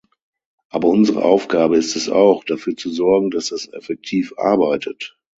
Aber unsere Aufgabe ist es auch, dafür zu sorgen, dass es effektiv arbeitet.